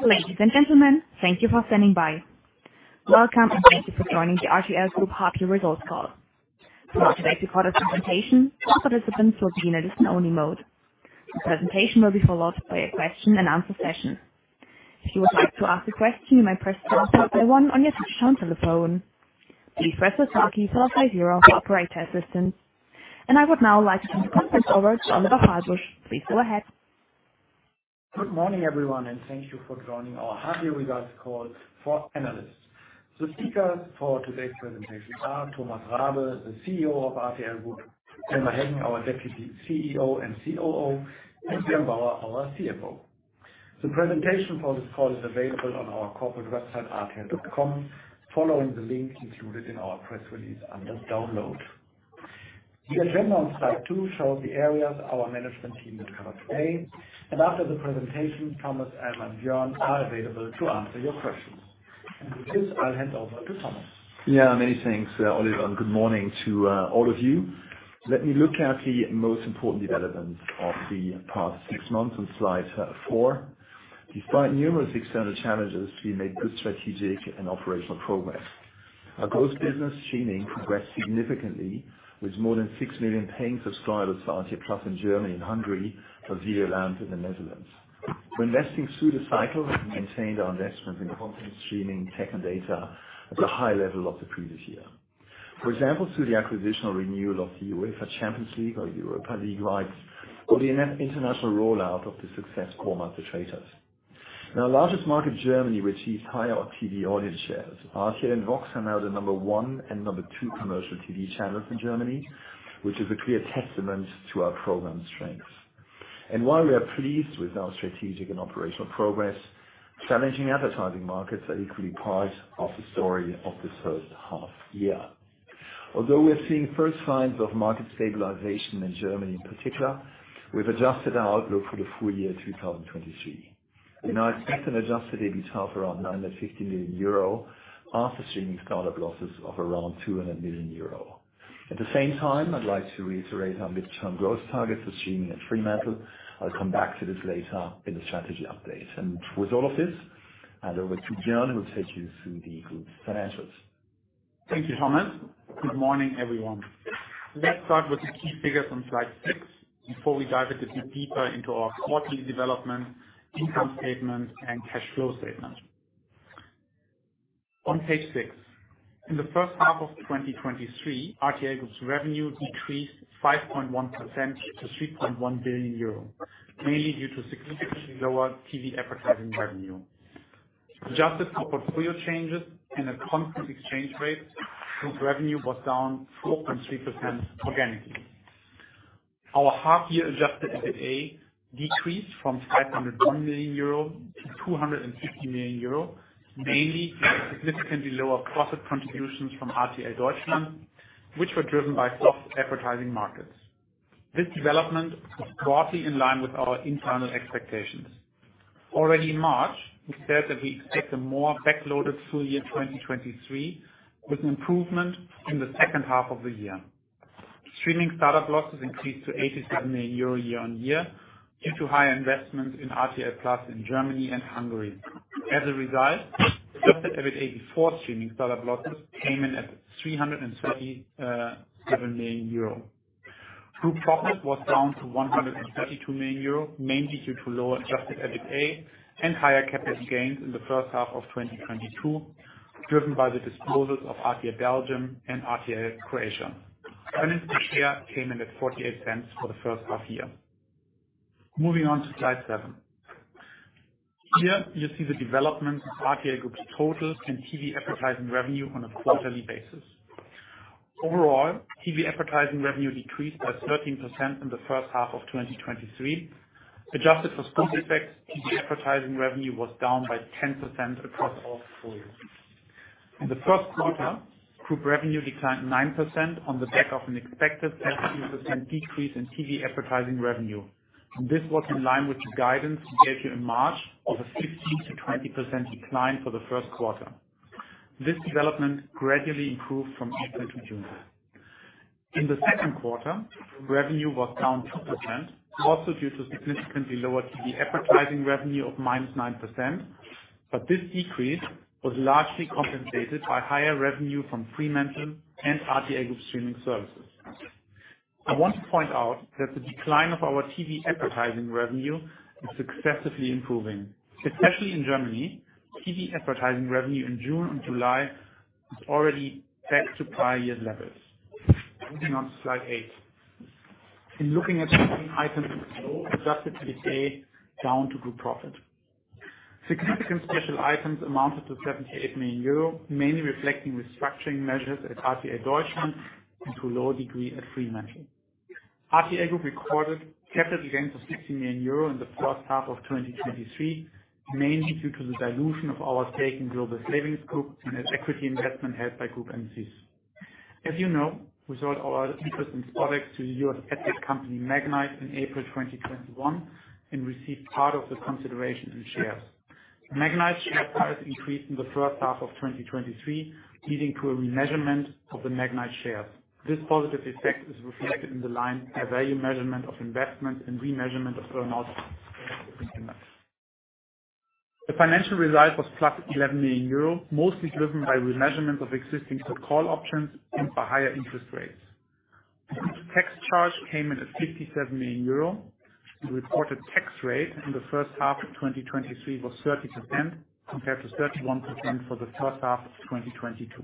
Ladies and gentlemen, thank you for standing by. Welcome, and thank you for joining the RTL Group half-year results call. For today's recorded presentation, all participants will be in a listen-only mode. The presentation will be followed by a question and answer session. If you would like to ask a question, you may press star point one on your touchtone telephone. Please press the star key followed by zero for operator assistance. I would now like to hand the conference over to Oliver Fahlbusch. Please go ahead. Good morning, everyone, and thank you for joining our half-year results call for analysts. The speakers for today's presentation are Thomas Rabe, the CEO of RTL Group, Elmar Heggen, our Deputy CEO and COO, and Björn Bauer, our CFO. The presentation for this call is available on our corporate website, rtlgroup.com, following the link included in our press release under Download. The agenda on slide 2 shows the areas our management team will cover today, after the presentation, Thomas, Elmar, and Björn are available to answer your questions. With this, I'll hand over to Thomas. Many thanks, Oliver, good morning to all of you. Let me look at the most important developments of the past 6 months on slide 4. Despite numerous external challenges, we made good strategic and operational progress. Our growth business streaming progressed significantly, with more than 6 million paying subscribers to RTL+ in Germany and Hungary, Televisa in the Netherlands. We're investing through the cycle and maintained our investment in content streaming, tech, and data at the high level of the previous year. For example, through the acquisition or renewal of the UEFA Champions League or Europa League rights, or the international rollout of the success format, The Traitors. In our largest market, Germany, we achieved higher TV audience shares. RTL and VOX are now the number 1 and number 2 commercial TV channels in Germany, which is a clear testament to our program strength. While we are pleased with our strategic and operational progress, challenging advertising markets are equally part of the story of this first half year. Although we are seeing first signs of market stabilization in Germany, in particular, we've adjusted our outlook for the full year 2023. We now expect an adjusted EBITDA of around 950 million euro after streaming startup losses of around 200 million euro. At the same time, I'd like to reiterate our midterm growth targets for streaming and Fremantle. I'll come back to this later in the strategy update. And with all of this, I hand over to Björn, who will take you through the group's financials. Thank you, Thomas. Good morning, everyone. Let's start with the key figures on slide 6 before we dive a bit deeper into our quarterly development, income statement, and cash flow statement. On page 6, in the first half of 2023, RTL Group's revenue decreased 5.1% to 3.1 billion euro, mainly due to significantly lower TV advertising revenue. Adjusted for portfolio changes and a constant exchange rate, group revenue was down 4.3% organically. Our half-year adjusted EBITDA decreased from 501 million euro to 250 million euro, mainly from significantly lower profit contributions from RTL Deutschland, which were driven by soft advertising markets. This development was broadly in line with our internal expectations. Already in March, we said that we expect a more backloaded full year 2023, with improvement in the second half of the year. Streaming startup losses increased to 87 million euro year on year, due to higher investments in RTL+ in Germany and Hungary. As a result, adjusted EBITDA before streaming startup losses came in at 337 million euro. Group profit was down to 132 million euro, mainly due to lower adjusted EBITDA and higher capital gains in the first half of 2022, driven by the disposals of RTL Belgium and RTL Croatia. Earnings per share came in at 0.48 for the first half year. Moving on to slide 7. Here you see the development of RTL Group's total and TV advertising revenue on a quarterly basis. Overall, TV advertising revenue decreased by 13% in the first half of 2023. Adjusted for scope effects, TV advertising revenue was down by 10% across all portfolios. In the first quarter, group revenue declined 9% on the back of an expected 13% decrease in TV advertising revenue. This was in line with the guidance we gave you in March of a 16%-20% decline for the first quarter. This development gradually improved from April to June. In the second quarter, revenue was down 2%, also due to significantly lower TV advertising revenue of -9%, but this decrease was largely compensated by higher revenue from Fremantle and RTL Group streaming services. I want to point out that the decline of our TV advertising revenue is successively improving. Especially in Germany, TV advertising revenue in June and July is already back to prior year levels. Moving on to slide 8. In looking at items, adjusted EBITDA down to group profit. Significant special items amounted to 78 million euro, mainly reflecting restructuring measures at RTL Deutschland and to a lower degree at Fremantle. RTL Group recorded capital gains of 60 million euro in the first half of 2023, mainly due to the dilution of our stake in Global Savings Group and an equity investment held by Group entities. As you know, we sold our interest in SpotX to the U.S. asset company, Magnite, in April 2021, and received part of the consideration in shares. Magnite share price increased in the first half of 2023, leading to a remeasurement of the Magnite shares. This positive effect is reflected in the line, "A value measurement of investment and remeasurement of earn outs." The financial result was plus 11 million euro, mostly driven by remeasurement of existing put call options and by higher interest rates. Tax charge came in at 57 million euro. The reported tax rate in the first half of 2023 was 30%, compared to 31% for the first half of 2022.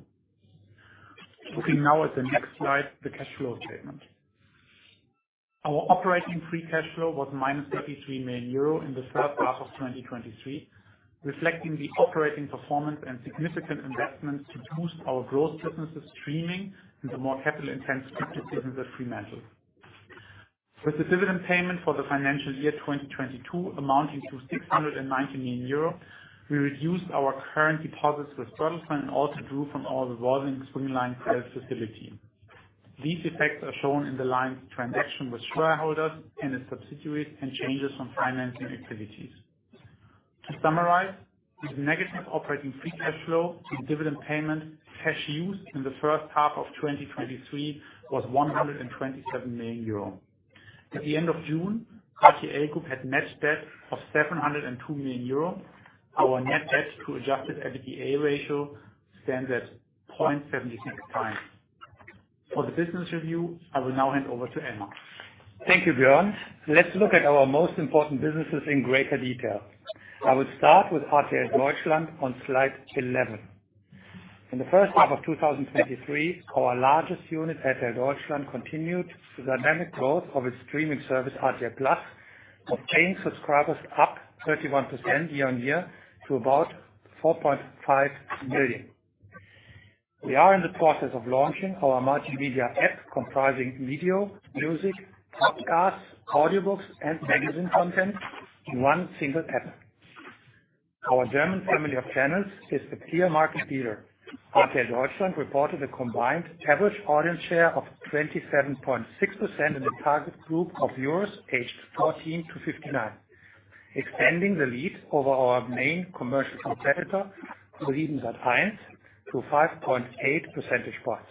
Looking now at the next slide, the cash flow statement. Our operating free cash flow was minus 33 million euro in the first half of 2023, reflecting the operating performance and significant investments to boost our growth businesses streaming and the more capital-intensive businesses at Fremantle. With the dividend payment for the financial year 2022 amounting to 690 million euro, we reduced our current deposits with Bertelsmann and also drew from our revolving credit line facility. These effects are shown in the line transactions with shareholders and other equity holders. To summarize, with negative operating free cash flow and dividend payment, cash used in the first half of 2023 was 127 million euro. At the end of June, RTL Group had net debt of 702 million euro. Our net debt to adjusted EBITDA ratio stands at 0.76 times. For the business review, I will now hand over to Elmar. Thank you, Björn. Let's look at our most important businesses in greater detail. I will start with RTL Deutschland on slide 11. In the first half of 2023, our largest unit, RTL Deutschland, continued the dynamic growth of its streaming service, RTL+, obtaining subscribers up 31% year on year to about 4.5 million. We are in the process of launching our multimedia app, comprising video, music, podcasts, audiobooks, and magazine content in one single app. Our German family of channels is the clear market leader. RTL Deutschland reported a combined average audience share of 27.6% in the target group of viewers aged 14 to 59, extending the lead over our main commercial competitor, ProSiebenSat.1, to 5.8 percentage points.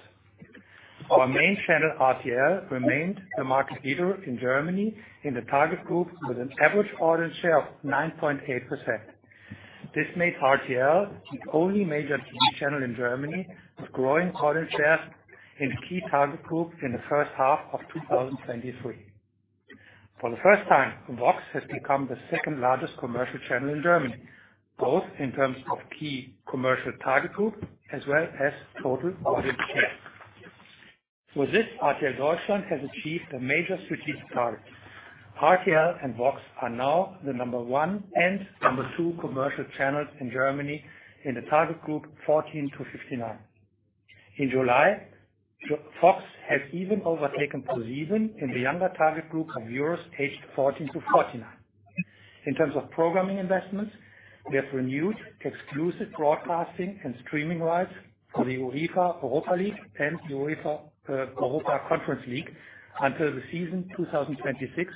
Our main channel, RTL, remained the market leader in Germany in the target group with an average audience share of 9.8%. This made RTL the only major TV channel in Germany, with growing audience share in key target groups in the first half of 2023. For the first time, VOX has become the second largest commercial channel in Germany, both in terms of key commercial target group as well as total audience share. With this, RTL Deutschland has achieved a major strategic target. RTL and VOX are now the number one and number two commercial channels in Germany in the target group 14-59. In July, VOX has even overtaken ProSieben in the younger target group of viewers aged 14-49. In terms of programming investments, we have renewed exclusive broadcasting and streaming rights for the UEFA Europa League and the UEFA Europa Conference League until the season 2026,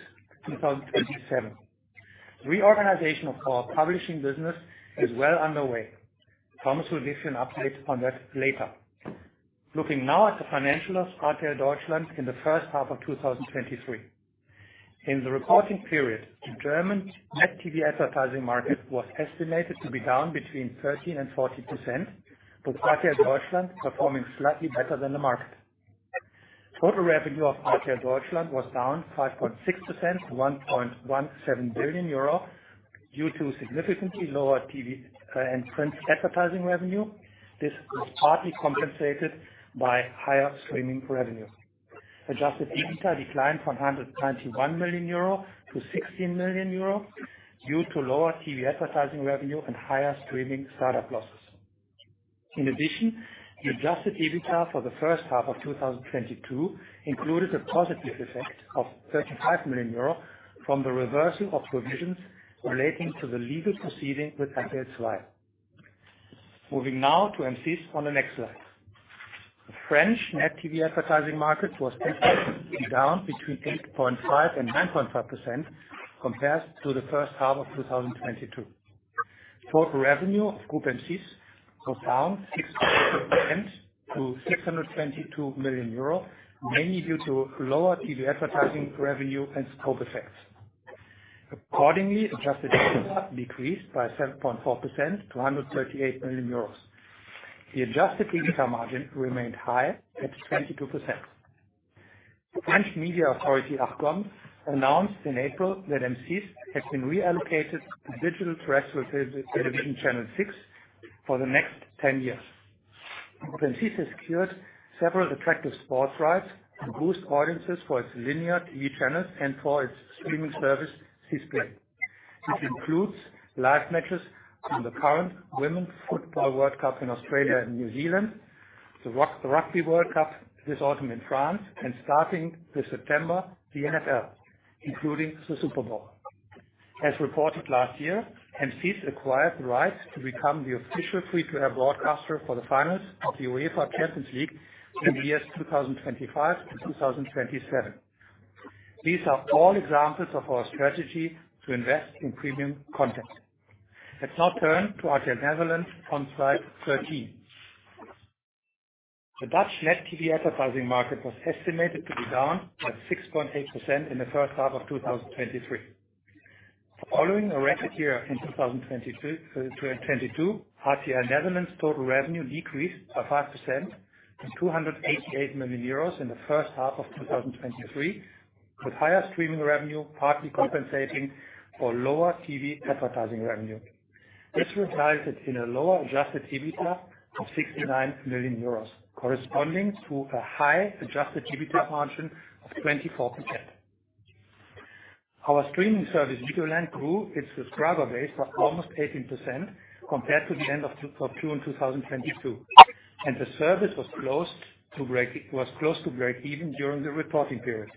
2027. Reorganization of our publishing business is well underway. Thomas will give you an update on that later. Looking now at the financials, RTL Deutschland in the first half of 2023. In the reporting period, the German net TV advertising market was estimated to be down between 13% and 40%, with RTL Deutschland performing slightly better than the market. Total revenue of RTL Deutschland was down 5.6% to 1.17 billion euro, due to significantly lower TV and print advertising revenue. This was partly compensated by higher streaming revenue. Adjusted EBITDA declined from 121 million euro to 16 million euro, due to lower TV advertising revenue and higher streaming startup losses. In addition, the adjusted EBITDA for the first half of 2022 included a positive effect of 35 million euro from the reversal of provisions relating to the legal proceeding with RTLZWEI. Moving now to M6 on the next slide. The French net TV advertising market was down between 8.5%-9.5% compared to the first half of 2022. Total revenue of Groupe M6 was down 6% to 622 million euro, mainly due to lower TV advertising revenue and scope effects. Accordingly, adjusted EBITDA decreased by 7.4% to 138 million euros. The adjusted EBITDA margin remained high at 22%. The French media authority, ARCOM, announced in April that M6 had been reallocated to digital terrestrial television channel 6 for the next 10 years. M6 has secured several attractive sports rights to boost audiences for its linear TV channels and for its streaming service, 6play, which includes live matches from the current Women's Football World Cup in Australia and New Zealand, the Rugby World Cup this autumn in France, and starting this September, the NFL, including the Super Bowl. As reported last year, M6 acquired the rights to become the official free-to-air broadcaster for the finals of the UEFA Champions League in the years 2025-2027. These are all examples of our strategy to invest in premium content. Let's now turn to RTL Nederland on slide 13. The Dutch LED TV advertising market was estimated to be down by 6.8% in the first half of 2023. Following a record year in 2022, RTL Nederland total revenue decreased by 5% to 288 million euros in the first half of 2023, with higher streaming revenue partly compensating for lower TV advertising revenue. This resulted in a lower adjusted EBITDA of 69 million euros, corresponding to a high adjusted EBITDA margin of 24%. Our streaming service, Videoland, grew its subscriber base by almost 18% compared to the end of June 2022, the service was close to break even during the reporting period.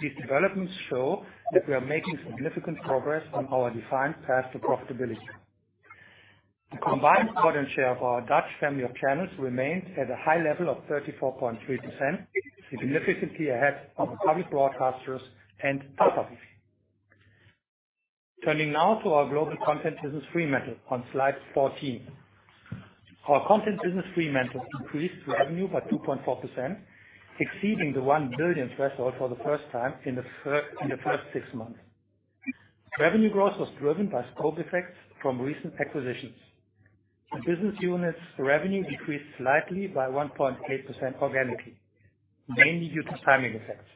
These developments show that we are making significant progress on our defined path to profitability. The combined audience share of our Dutch family of channels remains at a high level of 34.3%, significantly ahead of public broadcasters and others. Turning now to our global content business, Fremantle, on slide 14. Our content business, Fremantle, increased revenue by 2.4%, exceeding the 1 billion threshold for the first time in the first, in the first six months. Revenue growth was driven by scope effects from recent acquisitions. The business unit's revenue decreased slightly by 1.8% organically, mainly due to timing effects.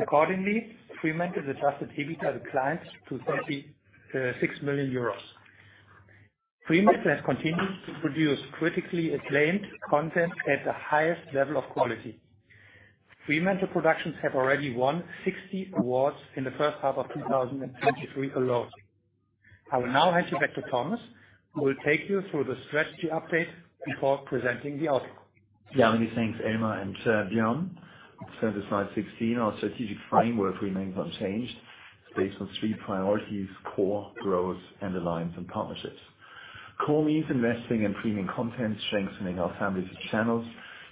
Accordingly, Fremantle's adjusted EBITDA declined to 36 million euros. Fremantle has continued to produce critically acclaimed content at the highest level of quality. Fremantle Productions have already won 60 awards in the first half of 2023 alone. I will now hand you back to Thomas, who will take you through the strategy update before presenting the outlook. Yeah, many thanks, Elmar and Björn. To slide 16, our strategic framework remains unchanged. It's based on three priorities: core, growth, and alliance and partnerships. Core means investing in premium content, strengthening our family of channels,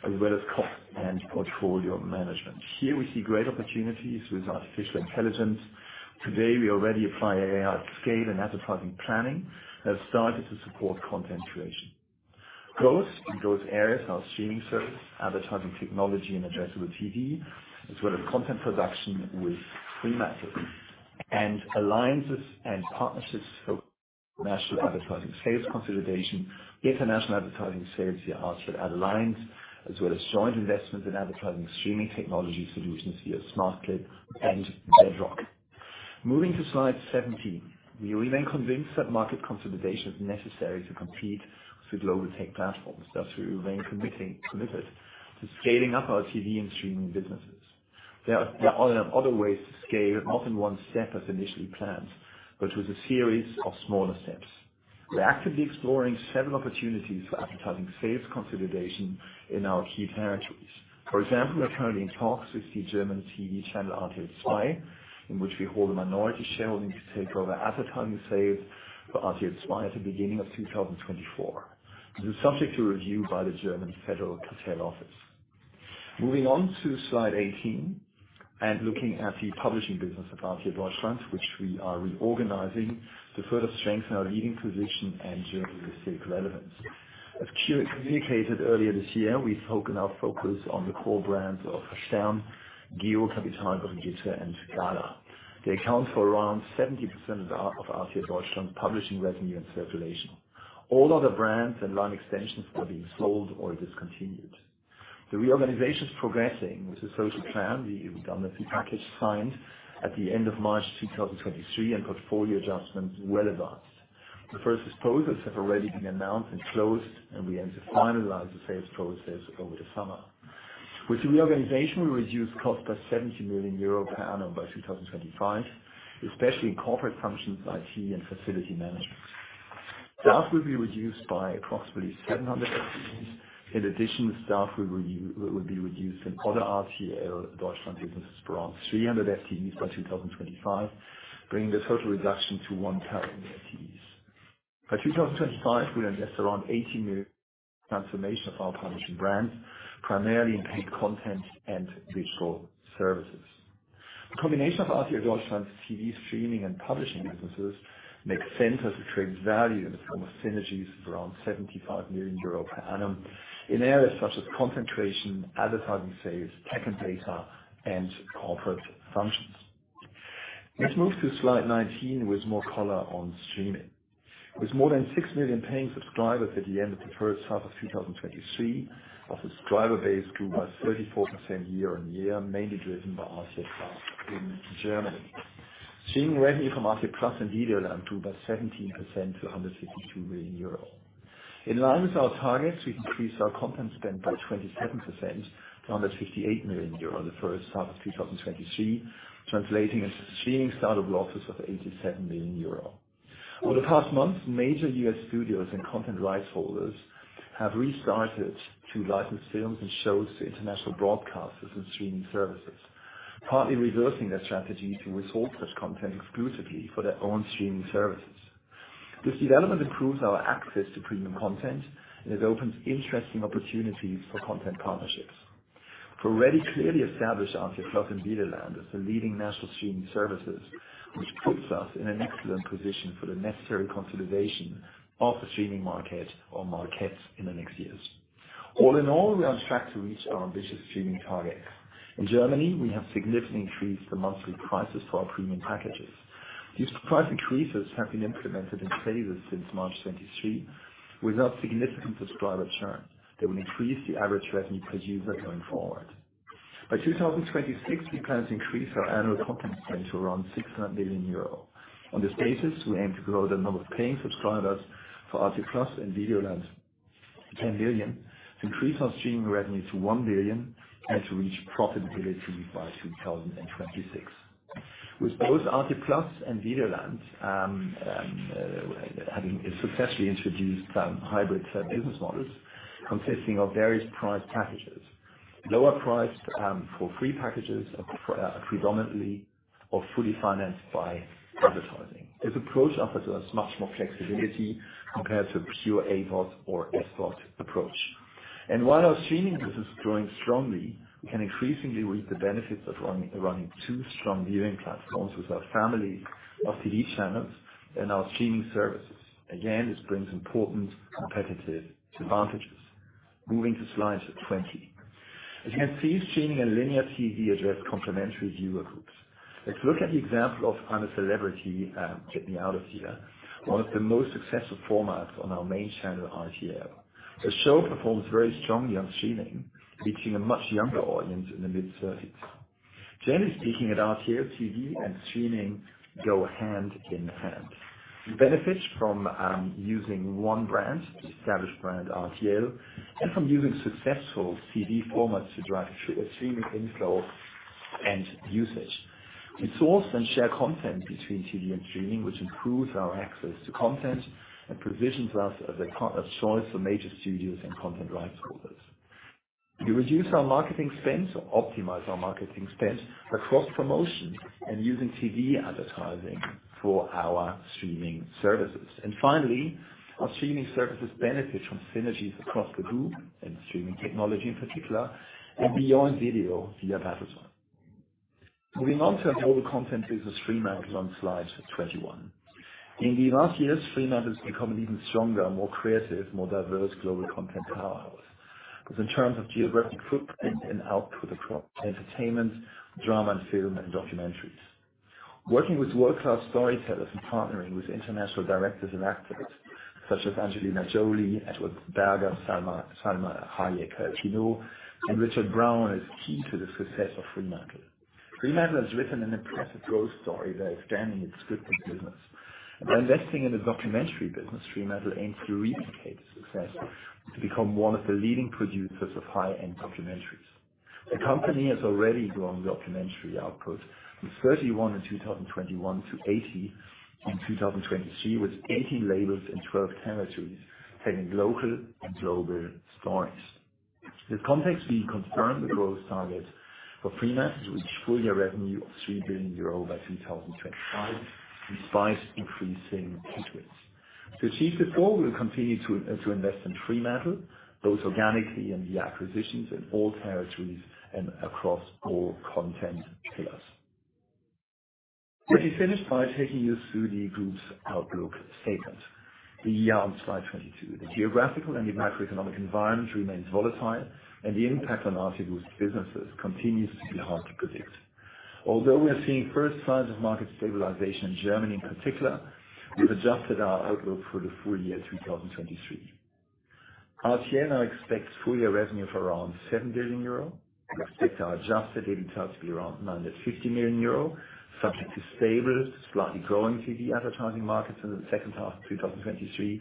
as well as cost and portfolio management. Here we see great opportunities with artificial intelligence. Today, we already apply AI at scale, and advertising planning has started to support content creation. Growth in those areas, our streaming service, advertising technology, and addressable TV, as well as content production with Fremantle. Alliances and partnerships for national advertising sales consolidation, international advertising sales via RTL AdAlliance, as well as joint investments in advertising streaming technology solutions via Smartclip and Bedrock. Moving to slide 17. We remain convinced that market consolidation is necessary to compete with global tech platforms. Thus, we remain committed to scaling up our TV and streaming businesses. There are, there are other ways to scale, not in one step as initially planned, but with a series of smaller steps. We are actively exploring several opportunities for advertising sales consolidation in our key territories. For example, we are currently in talks with the German TV channel RTLZWEI, in which we hold a minority shareholding, to take over advertising sales for RTLZWEI at the beginning of 2024. This is subject to review by the German Federal Cartel Office. Moving on to Slide 18, and looking at the publishing business of RTL Deutschland, which we are reorganizing to further strengthen our leading position and journalistic relevance. As clearly communicated earlier this year, we've focused our focus on the core brands of Stern, GEO, Capital, Brigitte, and Gala. They account for around 70% of our, RTL Deutschland's publishing revenue and circulation. All other brands and line extensions are being sold or discontinued. The reorganization is progressing with the social plan, the redundancy package signed at the end of March 2023, and portfolio adjustments well advanced. The first disposals have already been announced and closed, and we aim to finalize the sales process over the summer. With the reorganization, we reduce cost by 70 million euro per annum by 2025, especially in corporate functions, IT, and facility management. Staff will be reduced by approximately 700 FTEs. In addition, staff will be reduced in other RTL Deutschland business brands, 300 FTEs by 2025, bringing the total reduction to 1,000 FTEs. By 2025, we'll invest around 80 million transformation of our publishing brands, primarily in paid content and digital services. The combination of RTL Deutschland's TV streaming and publishing businesses make sense as it creates value in the form of synergies of around 75 million euro per annum in areas such as concentration, advertising, sales, tech and data, and corporate functions. Let's move to slide 19, with more color on streaming. With more than 6 million paying subscribers at the end of the first half of 2023, our subscriber base grew by 34% year-over-year, mainly driven by RTL+ in Germany. Streaming revenue from RTL+ and Videoland grew by 17% to 152 million euro. In line with our targets, we increased our content spend by 27% to 158 million euro in the first half of 2023, translating into streaming side of losses of 87 million euro. Over the past months, major US studios and content rights holders have restarted to license films and shows to international broadcasters and streaming services, partly reversing their strategy to withhold such content exclusively for their own streaming services. This development improves our access to premium content and it opens interesting opportunities for content partnerships. We're already clearly established on RTL+ and Videoland as the leading national streaming services, which puts us in an excellent position for the necessary consolidation of the streaming market or markets in the next years. All in all, we are on track to reach our ambitious streaming targets. In Germany, we have significantly increased the monthly prices for our premium packages. These price increases have been implemented in phases since March 2023, without significant subscriber churn. They will increase the average revenue per user going forward. By 2026, we plan to increase our annual content spend to around 600 million euro. On this basis, we aim to grow the number of paying subscribers for RTL+ and Videoland to 10 million, increase our streaming revenue to 1 billion, and to reach profitability by 2026. With both RTL+ and Videoland having successfully introduced hybrid business models consisting of various price packages. Lower priced, for free packages, are predominantly or fully financed by advertising. This approach offers us much more flexibility compared to a pure AVOD or SVOD approach. While our streaming business is growing strongly, we can increasingly reap the benefits of running, running two strong viewing platforms with our family of TV channels and our streaming services. Again, this brings important competitive advantages. Moving to slide 20. As you can see, streaming and linear TV address complementary viewer groups. Let's look at the example of I'm a Celebrity...Get Me Out of Here!, one of the most successful formats on our main channel, RTL. The show performs very strongly on streaming, reaching a much younger audience in the mid thirties. Generally speaking, at RTL, TV and streaming go hand in hand. We benefit from using one brand, the established brand RTL, and from using successful TV formats to drive streaming inflows and usage. We source and share content between TV and streaming, which improves our access to content and positions us as a partner of choice for major studios and content rights holders. We reduce our marketing spends or optimize our marketing spends by cross-promotion and using TV advertising for our streaming services. Finally, our streaming services benefit from synergies across the group and streaming technology in particular, and beyond video via advertising. Moving on to our global content business, Fremantle, on slide 21. In the last years, Fremantle has become an even stronger, more creative, more diverse global content powerhouse. Both in terms of geographic footprint and output across entertainment, drama and film, and documentaries. Working with world-class storytellers and partnering with international directors and actors such as Angelina Jolie, Edward Berger, Salma, Salma Hayek Pinault, and Richard Brown, is key to the success of Fremantle. Fremantle has written an impressive growth story by expanding its scripted business. By investing in the documentary business, Fremantle aims to replicate success, to become one of the leading producers of high-end documentaries. The company has already grown documentary output from 31 in 2021 to 80 in 2023, with 80 labels in 12 territories, telling local and global stories. This context, we confirm the growth target for Fremantle, to reach full year revenue of 3 billion euro by 2025, despite increasing interest rates. To achieve this goal, we'll continue to invest in Fremantle, both organically and via acquisitions in all territories and across all content pillars. Let me finish by taking you through the group's outlook statement. We are on slide 22. The geographical and the macroeconomic environment remains volatile, and the impact on RTL Group's businesses continues to be hard to predict. We are seeing first signs of market stabilization in Germany in particular, we've adjusted our outlook for the full year 2023. RTL now expects full year revenue of around 7 billion euro. We expect our adjusted EBITDA to be around 950 million euro, subject to stable, slightly growing TV advertising markets in the second half of 2023.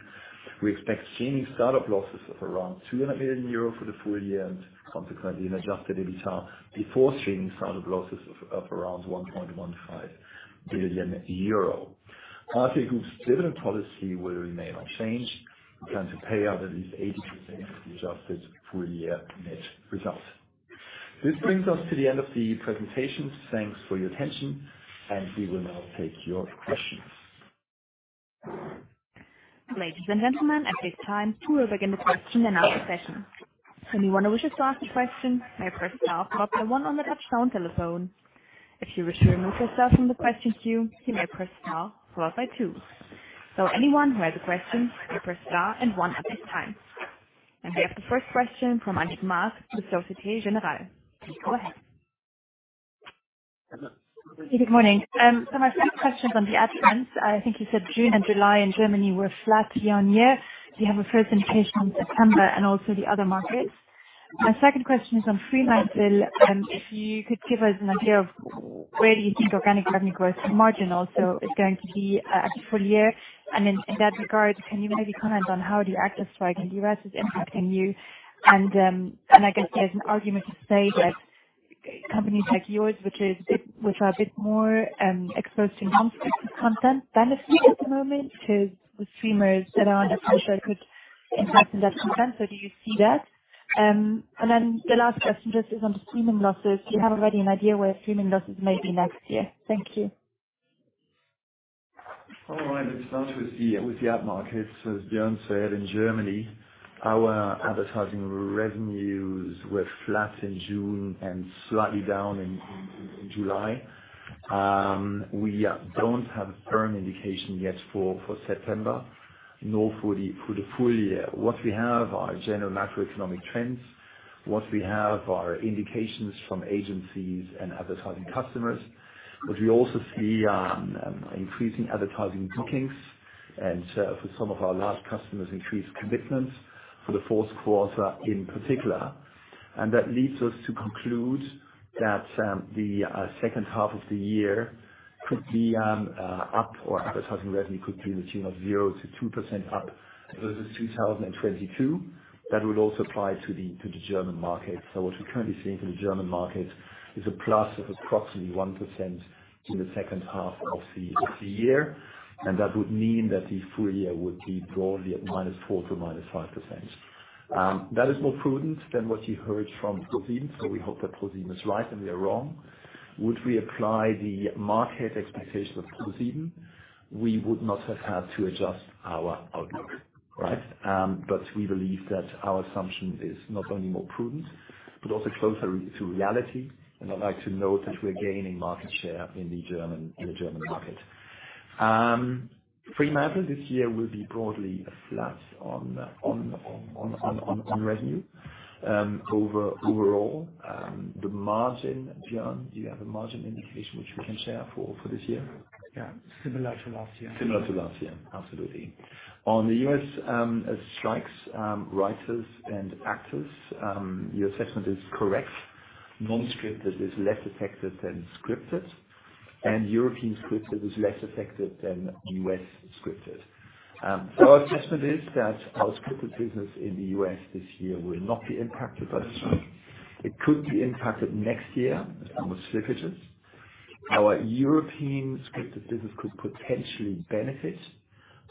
We expect streaming startup losses of around 200 million euro for the full year, and consequently, an adjusted EBITDA before streaming startup losses of around 1.15 billion euro. RTL Group's dividend policy will remain unchanged. We plan to pay out at least 80% of the adjusted full year net results. This brings us to the end of the presentation. Thanks for your attention, we will now take your questions. Ladies and gentlemen, at this time, we will begin the question and answer session. Anyone who wishes to ask a question, may press star, followed by 1 on the touchtone telephone. If you wish to remove yourself from the question queue, you may press star, followed by 2. Anyone who has a question, may press star and 1 at this time. We have the first question from Annick Maas with Société Générale. Please go ahead. Good morning. My first question is on the ad trends. I think you said June and July in Germany were flat year-on-year. Do you have a first indication on September and also the other markets? My second question is on Fremantle, if you could give us an idea of where you think organic revenue growth margin also is going to be full year? In that regard, can you maybe comment on how the actors strike in the U.S. is impacting you? I guess there's an argument to say that companies like yours, which is a bit, which are a bit more exposed to non-fiction content, benefit at the moment, because the streamers that are under pressure could impact on that content. Do you see that? The last question just is on the streaming losses. Do you have already an idea where streaming losses may be next year? Thank you. All right. It starts with the, with the ad markets. As Björn said, in Germany, our advertising revenues were flat in June and slightly down in July. We don't have a firm indication yet for September, nor for the full year. What we have are general macroeconomic trends. What we have are indications from agencies and advertising customers, but we also see increasing advertising bookings, and for some of our large customers, increased commitments for the fourth quarter in particular. That leads us to conclude that the second half of the year could be up, or advertising revenue could be in the tune of 0%-2% up versus 2022. That would also apply to the German market. What we're currently seeing for the German market is a plus of approximately 1% in the second half of the year, and that would mean that the full year would be broadly at -4% to -5%. That is more prudent than what you heard from ProSieben, so we hope that ProSieben is right, and we are wrong. Would we apply the market expectation of ProSieben, we would not have had to adjust our outlook, right? We believe that our assumption is not only more prudent, but also closer to reality. I'd like to note that we're gaining market share in the German market. Fremantle this year will be broadly flat on revenue overall. The margin, Björn, do you have a margin indication which we can share for, for this year? Yeah. Similar to last year. Similar to last year, absolutely. On the US strikes, writers and actors, your assessment is correct. Non-scripted is less affected than scripted, and European scripted is less affected than US scripted. Our assessment is that our scripted business in the US this year will not be impacted by the strike. It could be impacted next year with slippages. Our European scripted business could potentially benefit,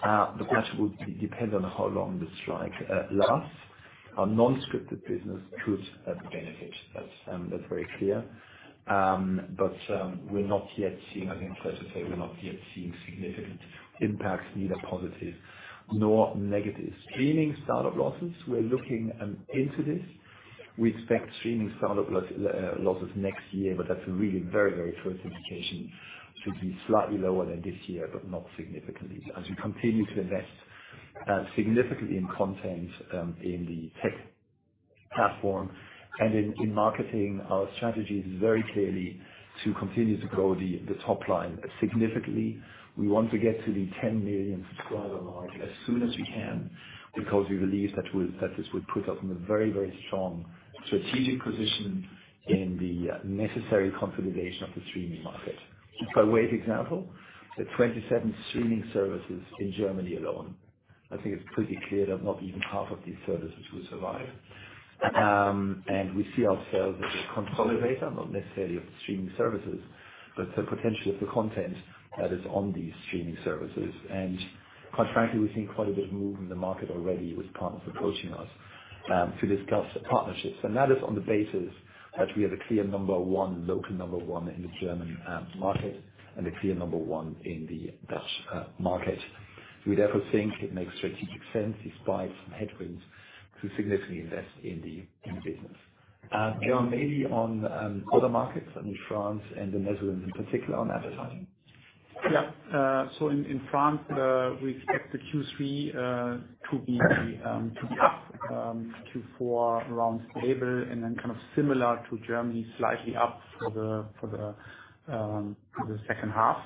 but that would depend on how long the strike lasts. Our non-scripted business could benefit. That's, that's very clear. We're not yet seeing, I think it's fair to say we're not yet seeing significant impacts, neither positive nor negative. Streaming startup losses, we're looking into this. We expect streaming startup loss losses next year, but that's a really very, very first indication. Should be slightly lower than this year, but not significantly. As we continue to invest significantly in content, in the tech platform and in, in marketing, our strategy is very clearly to continue to grow the, the top line significantly. We want to get to the 10 million subscriber mark as soon as we can, because we believe that will, that this would put us in a very, very strong strategic position in the necessary consolidation of the streaming market. If I wave example, the 27 streaming services in Germany alone, I think it's pretty clear that not even half of these services will survive. We see ourselves as a consolidator, not necessarily of the streaming services, but the potential of the content that is on these streaming services. Quite frankly, we've seen quite a bit of movement in the market already, with partners approaching us to discuss partnerships. That is on the basis that we are the clear number one, local number one in the German market, and the clear number one in the Dutch market. We therefore think it makes strategic sense, despite some headwinds, to significantly invest in the business. Björn, maybe on other markets, I mean, France and the Netherlands in particular, on advertising. Yeah. In, in France, we expect the Q3 to be the to be up, Q4 around stable, and then kind of similar to Germany, slightly up for the, for the, for the second half.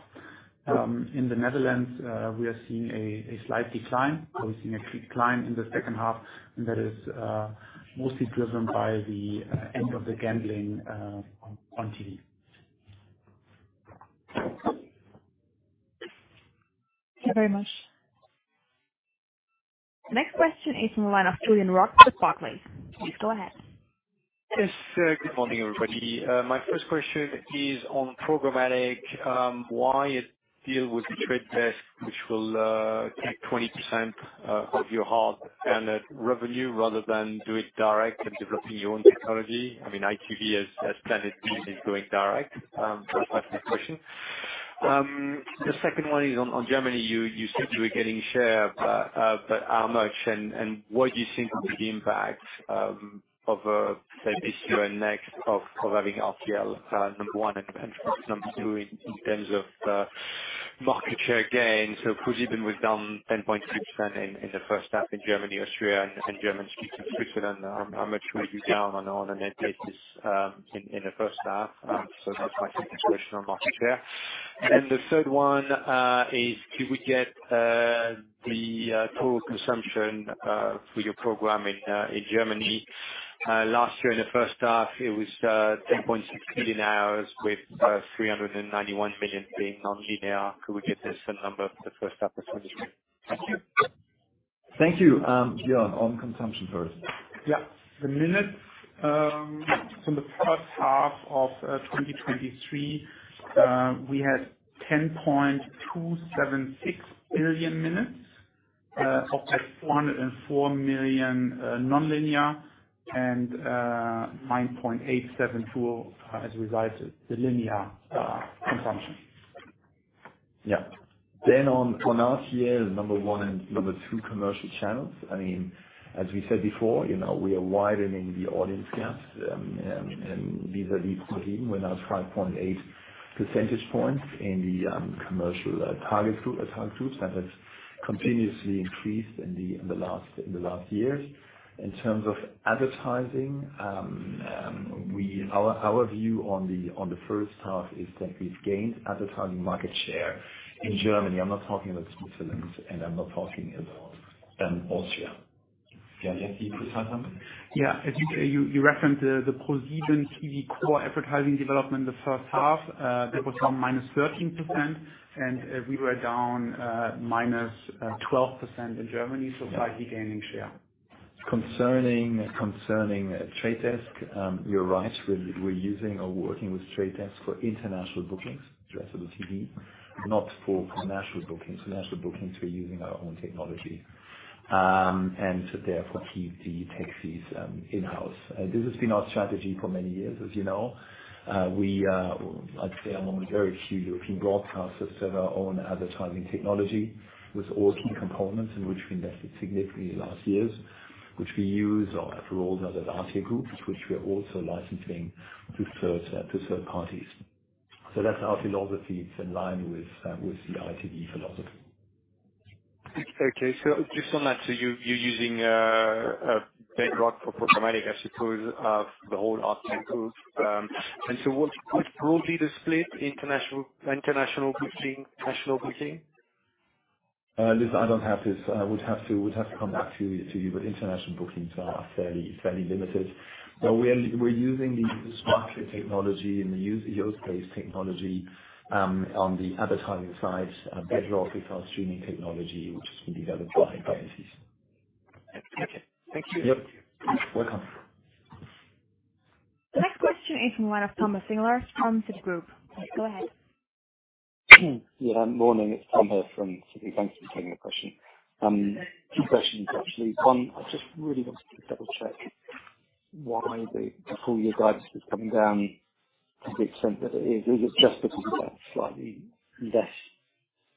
In the Netherlands, we are seeing a, a slight decline. We're seeing a decline in the second half, and that is mostly driven by the end of the gambling on, on TV. Thank you very much. Next question is from the line of Julien Roques with Barclays. Please go ahead. Yes, sir, good morning, everybody. My first question is on programmatic, why it deal with The Trade Desk, which will take 20% of your heart and revenue, rather than do it direct and developing your own technology? I mean ITV as, as planned is going direct. That's my first question. The second one is on, on Germany. You said you were getting share, but how much, and what do you think will be the impact of, say, this year and next of having RTL number one and number two in terms of market share gains? ProSieben was down 10.6% in the first half in Germany, Austria and German-speaking Switzerland. How much will you be down on all the net takes in the first half? That's my second question on market share. The third one is do we get the total consumption for your program in Germany? Last year, in the first half, it was 10.6 billion hours, with 391 million being on linear. Could we get the same number for the first half of 2023? Thank you. Thank you. Björn, on consumption first. Yeah. The minute-... From the first half of 2023, we had 10.276 billion minutes, of that, 404 million nonlinear, and 9.872 as regards to the linear consumption. Yeah. On for last year, number 1 and number 2 commercial channels. I mean, as we said before, you know, we are widening the audience gaps, and vis-a-vis ProSieben, we're now 5.8 percentage points in the commercial target groups. That has continuously increased in the last years. In terms of advertising, our view on the first half is that we've gained advertising market share in Germany. I'm not talking about Switzerland, and I'm not talking about Austria. Yeah, you want to add something? Yeah. As you, you, you referenced the, the ProSieben TV core advertising development in the first half. That was down minus 13%, and we were down minus 12% in Germany. Yeah. Slightly gaining share. Concerning, concerning Trade Desk, you're right. We're, we're using or working with Trade Desk for international bookings to rest of the TV, not for national bookings. National bookings, we're using our own technology. Therefore, TV takes these in-house. This has been our strategy for many years, as you know. We are, I'd say, among very few European broadcasters to have our own advertising technology with all key components, in which we invested significantly in the last years, which we use or through all the other RTL groups, which we are also licensing to third, to third parties. That's our philosophy. It's in line with the ITV philosophy. Okay. just on that, so you're using a Bedrock for programmatic as a tool of the whole RTL Group. what, what would be the split, international, international booking, national booking? This I don't have this. I would have to come back to you, but international bookings are fairly, fairly limited. We're using the smartclip technology and the Yospace technology on the advertising side, Bedrock with our streaming technology, which has been developed by agencies. Okay. Thank you. Yep. Welcome. The next question is from one of Thomas Singlehurst from Citigroup. Please, go ahead. Yeah, Morning, it's Thomas Singlehurst from Citi. Thanks for taking the question. Two questions, actually. One, I just really wanted to double-check why the full-year guidance is coming down to the extent that it is. Is it just because of a slightly less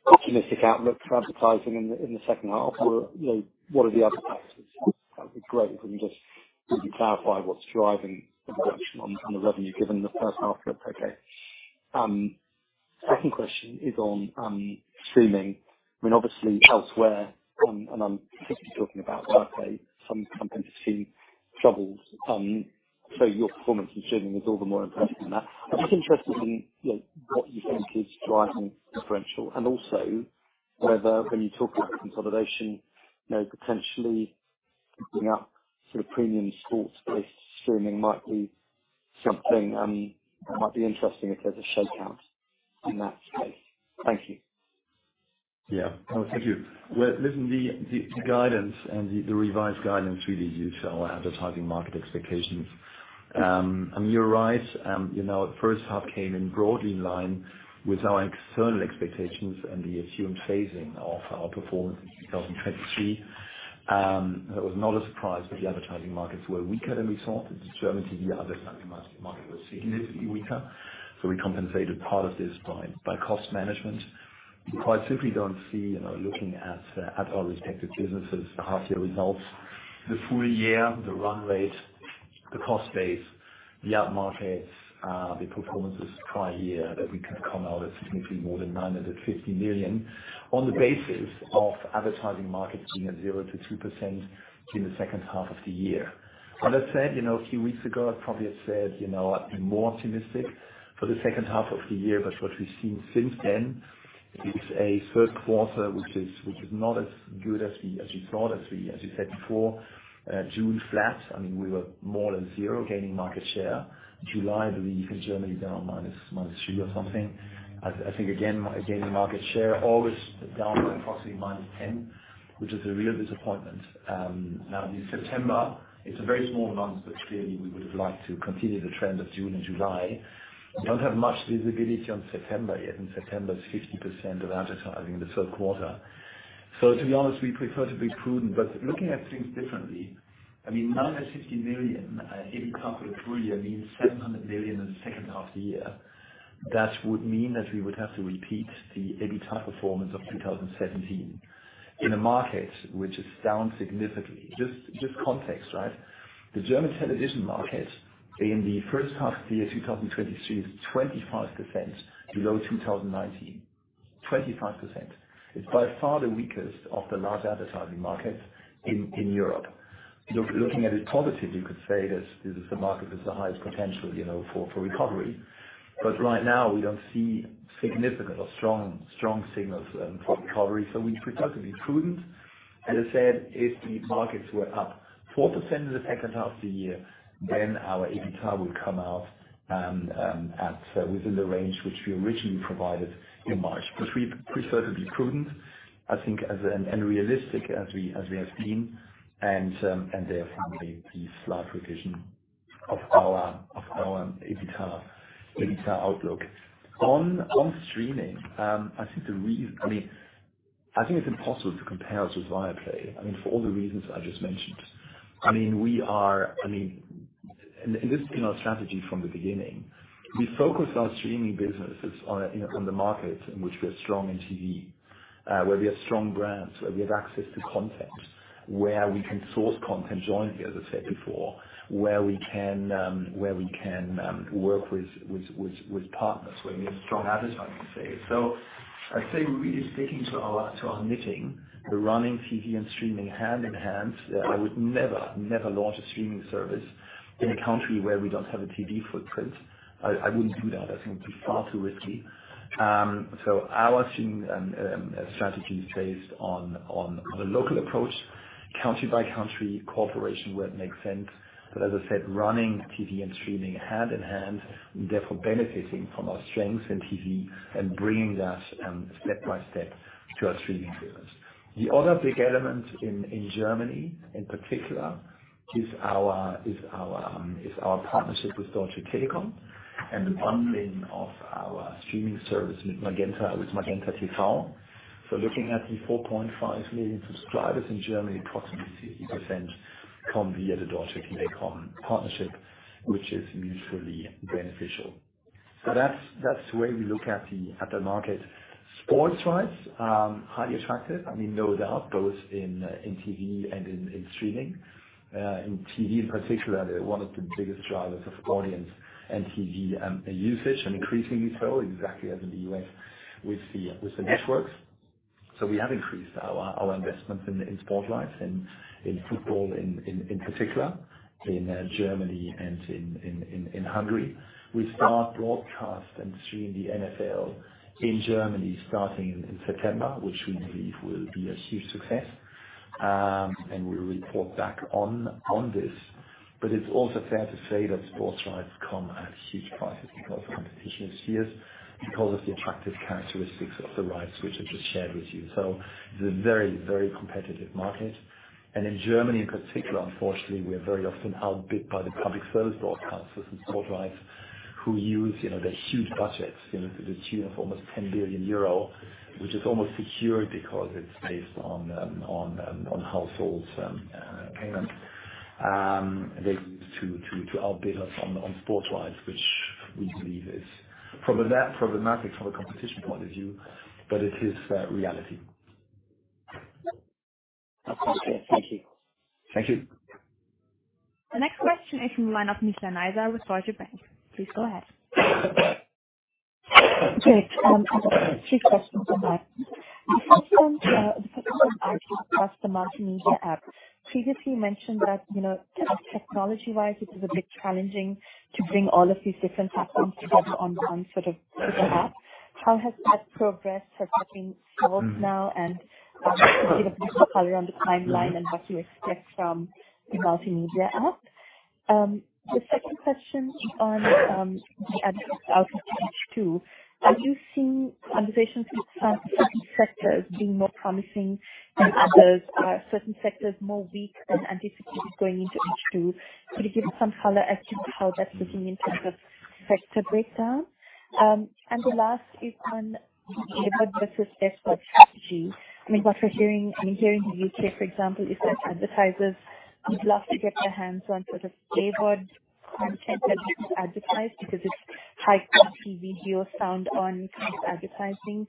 optimistic outlook for advertising in the second half? You know, what are the other factors? That'd be great if you can just maybe clarify what's driving the reduction on the revenue, given the first half looked okay. Second question is on streaming. I mean, obviously elsewhere, I'm specifically talking about U.K., some companies see troubles, your performance in streaming is all the more impressive than that. I'm just interested in, like, what you think is driving the differential, and also whether when you talk about consolidation, you know, potentially picking up sort of premium sports-based streaming might be something that might be interesting if there's a shakeout in that space. Thank you. No, thank you. Well, listen, the guidance and the revised guidance really is our advertising market expectations. You're right, you know, first half came in broadly in line with our external expectations and the assumed phasing of our performance in 2023. It was not a surprise that the advertising markets were weaker than we thought. In Germany, the advertising market was significantly weaker. We compensated part of this by cost management. We quite simply don't see, you know, looking at, at our respective businesses, the half year results, the full year, the run rate, the cost base, the ad markets, the performances prior year, that we can come out at significantly more than 950 million on the basis of advertising markets being at 0%-2% in the second half of the year. That said, you know, a few weeks ago, I probably had said, you know, I'd be more optimistic for the second half of the year, what we've seen since then is a third quarter, which is, which is not as good as we, as we thought, as we said before. June, flat, I mean, we were more or less zero, gaining market share. July, I believe, in Germany, down -3% or something. I think, again, gaining market share, always down by approximately -10, which is a real disappointment. Now in September, it's a very small month, clearly, we would have liked to continue the trend of June and July. We don't have much visibility on September yet, September is 50% of advertising in the third quarter. To be honest, we prefer to be prudent. Looking at things differently, I mean, 950 million EBITA for the full year, means 700 million in the second half of the year. That would mean that we would have to repeat the EBITA performance of 2017, in a market which is down significantly. Just context, right? The German television market in the first half of the year, 2023, is 25% below 2019. 25%. It's by far the weakest of the large advertising markets in Europe. Looking at it positively, you could say this is the market with the highest potential, you know, for recovery. Right now, we don't see significant or strong signals for recovery, so we prefer to be prudent. As I said, if the markets were up 4% in the second half of the year, then our EBITA would come out at within the range which we originally provided in March. We prefer to be prudent, I think, as and realistic as we have been, and therefore, the slight revision of our EBITDA outlook. On, on streaming, I think the reason-- I mean, I think it's impossible to compare us with Viaplay, I mean, for all the reasons I just mentioned. I mean, we are, I mean, and this has been our strategy from the beginning, we focus our streaming businesses on a, you know, on the markets in which we are strong in TV, where we have strong brands, where we have access to content, where we can source content jointly, as I said before, where we can, where we can, work with, with, with, with partners, where we have strong advertising sales. I'd say we're really sticking to our, to our knitting. We're running TV and streaming hand in hand. I would never, never launch a streaming service in a country where we don't have a TV footprint. I, I wouldn't do that. I think it would be far too risky. Our stream strategy is based on a local approach, country-by-country cooperation where it makes sense. As I said, running TV and streaming hand in hand, and therefore benefiting from our strengths in TV and bringing that step-by-step to our streaming service. The other big element in Germany, in particular, is our partnership with Deutsche Telekom and the bundling of our streaming service with Magenta, with MagentaTV. Looking at the 4.5 million subscribers in Germany, approximately 60% come via the Deutsche Telekom partnership, which is mutually beneficial. That's, that's the way we look at the market. Sports rights, highly attractive, I mean, no doubt, both in TV and in streaming. In TV in particular, they're one of the biggest drivers of audience and TV usage, and increasingly so, exactly as in the U.S., with the, with the networks. We have increased our, our investment in, in sports rights, in, in football, in particular, in Germany and in Hungary. We start broadcasting and streaming the NFL in Germany, starting in September, which we believe will be a huge success. We'll report back on this. It's also fair to say that sports rights come at huge prices because the competition is fierce, because of the attractive characteristics of the rights which I just shared with you. It's a very, very competitive market, and in Germany in particular, unfortunately, we are very often outbid by the public service broadcasters and sports rights, who use, you know, their huge budgets, you know, to the tune of almost 10 billion euro, which is almost secure because it's based on on on households payment. They use to, to, to outbid us on, on sports rights, which we believe is problematic, problematic from a competition point of view, but it is the reality. Okay, thank you. Thank you. The next question is from the line of Nizla Naizer with Deutsche Bank. Please go ahead. Great. I've got two questions on that. The first one, the first one actually across the multimedia app. Previously, you mentioned that, you know, technology-wise, it is a bit challenging to bring all of these different platforms together on one sort of single app. How has that progress, has that been solved now? Can you give a bit of color on the timeline and what you expect from the multimedia app? The second question is on the address out of H2. Are you seeing conversations with certain sectors being more promising than others? Are certain sectors more weak than anticipated going into H2? Can you give some color as to how that's looking in terms of sector breakdown? The last is on the address versus effort strategy. I mean, what we're hearing, I mean, here in the UK, for example, is that advertisers would love to get their hands on sort of favored content that isn't advertised, because it's high-quality video, sound on kind of advertising.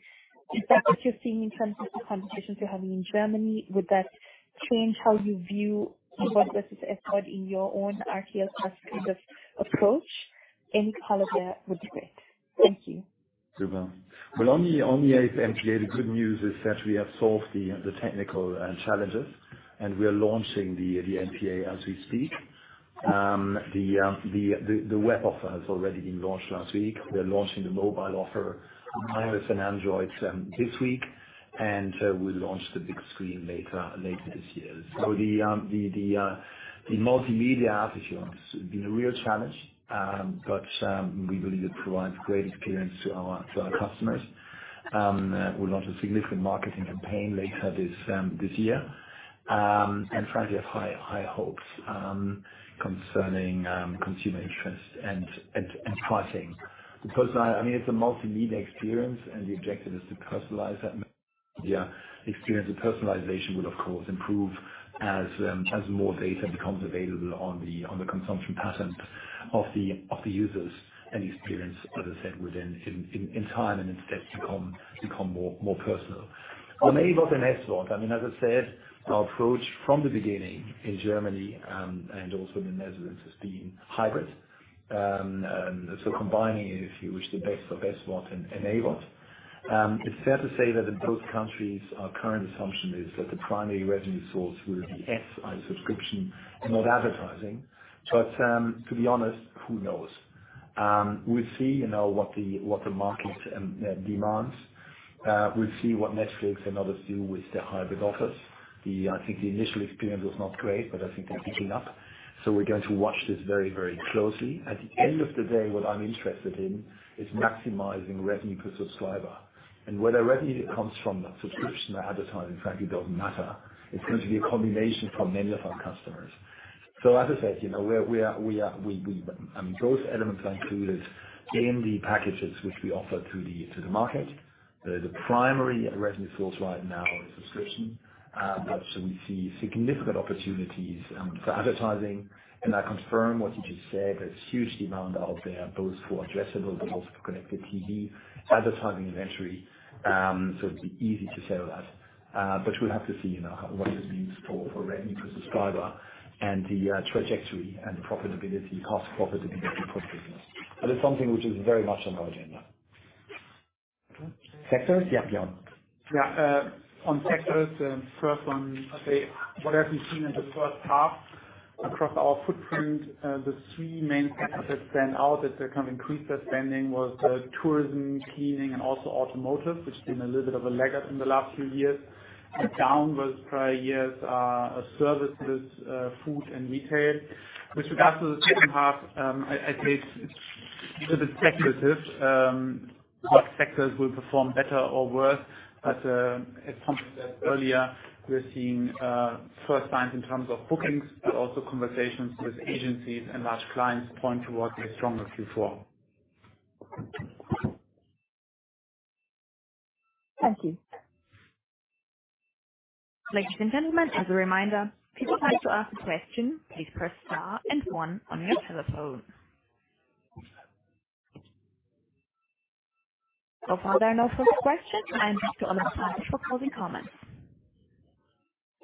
Is that what you're seeing in terms of the conversations you're having in Germany? Would that change how you view address versus effort in your own RTL+ kind of approach? Any color there would be great. Thank you. Very well. Well, on the, on the MTA, the good news is that we have solved the technical challenges. We are launching the MTA as we speak. The web offer has already been launched last week. We're launching the mobile offer on iOS and Android this week. We'll launch the big screen later, later this year. The multimedia app issues have been a real challenge. We believe it provides great experience to our customers. We'll launch a significant marketing campaign later this year. Frankly, I have high, high hopes concerning consumer interest and pricing. Because I mean, it's a multimedia experience. The objective is to personalize that media experience. The personalization will, of course, improve as more data becomes available on the consumption patterns of the users. The experience, as I said, within time and instead become more personal. On AVOD and SVOD, I mean, as I said, our approach from the beginning in Germany and also the Netherlands, has been hybrid. Combining, if you wish, the best of SVOD and AVOD. It's fair to say that in both countries, our current assumption is that the primary revenue source will be S, i.e. subscription, not advertising. To be honest, who knows? We'll see, you know, what the market demands. We'll see what Netflix and others do with their hybrid offers. I think the initial experience was not great, but I think they're picking up. We're going to watch this very, very closely. At the end of the day, what I'm interested in is maximizing revenue per subscriber, and whether revenue comes from the subscription or advertising, frankly, doesn't matter. It's going to be a combination for many of our customers. As I said, you know, we are, we are, we, we, both elements are included in the packages which we offer to the, to the market. The primary revenue source right now is subscription, but so we see significant opportunities for advertising. I confirm what you just said, there's huge demand out there, both for addressable but also for connected TV advertising inventory. It'd be easy to sell that. We'll have to see, you know, what it means for, for revenue per subscriber and the trajectory and profitability, cost profitability for the business. It's something which is very much on our agenda. Sectors? Yeah, Jan. Yeah, on sectors, first on, I'd say, what have we seen in the first half across our footprint, the three main sectors that stand out as they kind of increased their spending was tourism, cleaning, and also automotive, which has been a little bit of a laggard in the last few years. Down was prior years, services, food and retail. With regards to the second half, I, I'd say it's a bit speculative, what sectors will perform better or worse. As Thomas Rabe said earlier, we are seeing first signs in terms of bookings, but also conversations with agencies and large clients point towards a stronger Q4. Thank you. Ladies and gentlemen, as a reminder, if you'd like to ask a question, please press Star and One on your telephone. So far, there are no further questions. Back to Oliver and Thomas for closing comments.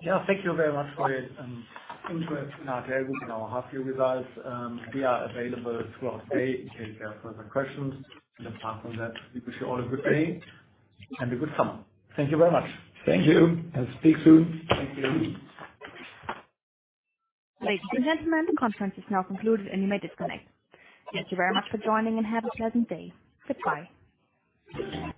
Yeah, thank you very much for your interest in our very good, in our half year results. We are available throughout the day in case you have further questions. Apart from that, we wish you all a good day and a good summer. Thank you very much. Thank you, and speak soon. Thank you. Ladies and gentlemen, the conference is now concluded, and you may disconnect. Thank you very much for joining and have a pleasant day. Goodbye.